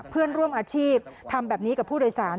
เพื่อนร่วมอาชีพทำแบบนี้กับผู้โดยสาร